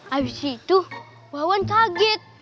abis itu wawan kaget